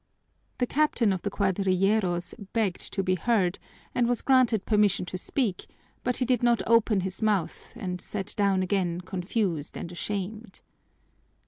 The captain of the cuadrilleros begged to be heard and was granted permission to speak, but he did not open his mouth and sat down again confused and ashamed.